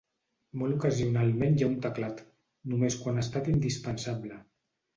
Molt ocasionalment hi ha un teclat, només quan ha estat indispensable.